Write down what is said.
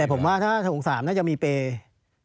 ผมว่าถ้าถง๓น่าจะมีเปย์